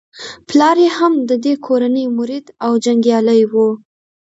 پلار یې هم د دې کورنۍ مرید او جنګیالی وو.